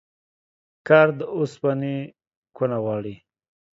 کار د اوسپني کونه غواړي.